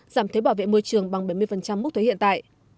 giảm thuế bảo vệ môi trường bằng bảy mươi mức thuế hiện tại